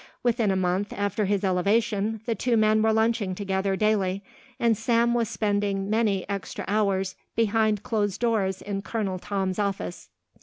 Within a month after his elevation the two men were lunching together daily and Sam was spending many extra hours behind closed doors in Colonel Tom's office.